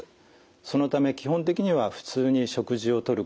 そのため基本的には普通に食事をとることができます。